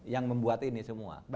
yang membuat ini semua